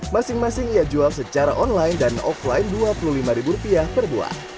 masing masing ia jual secara online dan offline rp dua puluh lima per buah